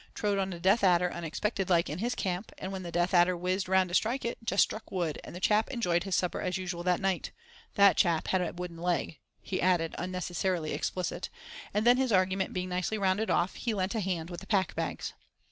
Trod on a death adder unexpected like in his camp, and when the death adder whizzed round to strike it, just struck wood, and the chap enjoyed his supper as usual that night. That chap had a wooden leg," he added, unnecessarily explicit; and then his argument being nicely rounded off, he lent a hand with the pack bags.